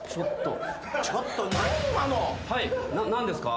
何ですか？